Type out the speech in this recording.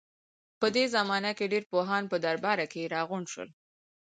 په دې زمانه کې ډېر پوهان په درباره کې راغونډ شول.